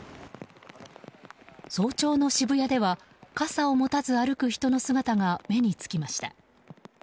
早朝の渋谷では傘を持たず歩く人の姿が目につきました。